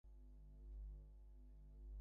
উভয় পক্ষেই যুক্তির সমান মূল্য, আর উভয় মতই সত্য।